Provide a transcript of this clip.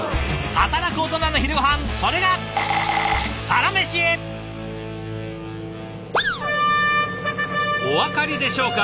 働くオトナの昼ごはんそれがお分かりでしょうか？